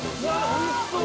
おいしそう。